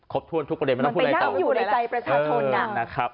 ครบถ้วนทุกประเด็นไม่ต้องพูดอะไรต่อเออนะครับมันไปนั่งอยู่ในใจประชาชน